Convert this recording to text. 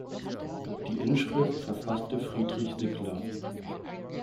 Die Inschrift verfasste Friedrich Sickler.